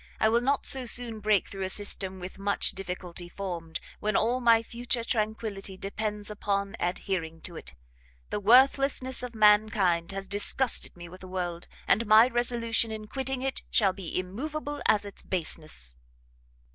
I will not so soon break through a system with much difficulty formed, when all my future tranquility depends upon adhering to it. The worthlessness of mankind has disgusted me with the world, and my resolution in quitting it shall be immoveable as its baseness."